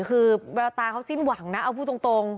คือแววตาเขาสิ้นหวังนะเอาพูดตรง